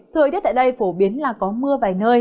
thời tiết tại đây phổ biến là có mưa vài nơi